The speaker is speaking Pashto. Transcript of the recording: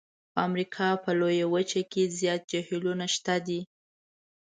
په امریکا په لویه وچه کې زیات جهیلونه شته دي.